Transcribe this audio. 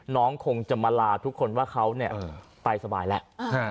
น้องคงจะมาลาทุกคนว่าเขาเนี่ยไปสบายแล้ว